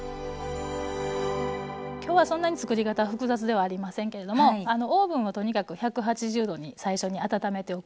今日はそんなにつくり方複雑ではありませんけれどもオーブンをとにかく１８０℃に最初に温めておくことと。